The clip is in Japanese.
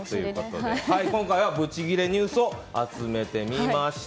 今回はブチギレニュースを集めてみました。